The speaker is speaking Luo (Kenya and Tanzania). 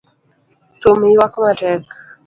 Thum yuak matek